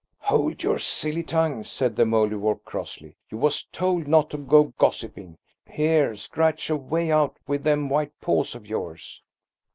"Hold your silly tongues," said the Mouldiwarp crossly. "You was told not to go gossiping. Here! scratch a way out with them white paws of yours."